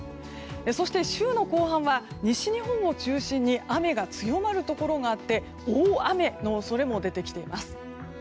そして週の後半は西日本を中心に雨が強まるところがあって大雨の恐れも出てきています。